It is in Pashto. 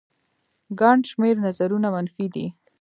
ګڼ شمېر نظرونه منفي دي